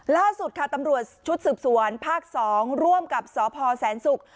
ล่าสุดค่ะตำรวจชุดสึบซวรฟ้ากสองร่วมกับศพแสนสุก